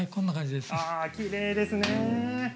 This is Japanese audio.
きれいですね。